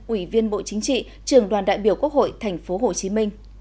ủy viên bộ chính trị trường đoàn đại biểu quốc hội tp hcm